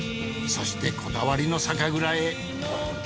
そしてこだわりの酒蔵へ。